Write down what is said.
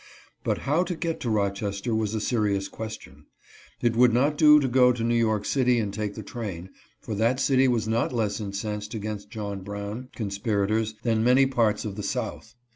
But how to get to Rochester was a, serious question. It would not do to go to New York city and take the train, for that city was not less incensed against John Brown conspirators than many parts of the South.